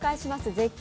絶景